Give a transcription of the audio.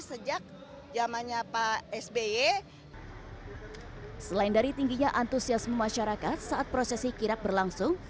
sejak zamannya pak sby selain dari tingginya antusiasme masyarakat saat prosesi kirap berlangsung